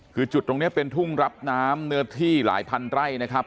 คือจุดตรงนี้เป็นทุ่งรับน้ำเนื้อที่หลายพันไร่นะครับ